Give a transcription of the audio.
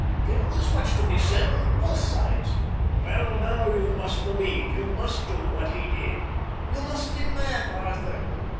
There was much to be said on both sides." "Well, now you must believe. You must do what he did." "You must be mad, Arthur."